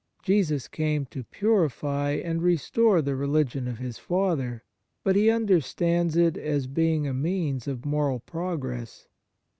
Jesus came to purify and restore the religion of His Father; but He understands it as being a means of moral progress.